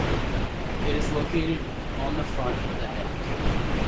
It is located on the front of the head.